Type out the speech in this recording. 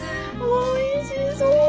おいしそう。